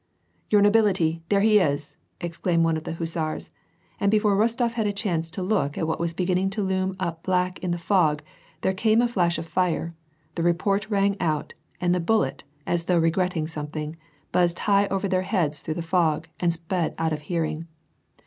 " Your nobility, there he is !" exclaimed one of the hussars, and before Rostof had a chance to look at what was beginning to loom up black in the fog, there came a flash of fire, the report rang out, and the bullet, as though regretting some thing, buzzed* high over their heads through the fog, and sped out of hearing.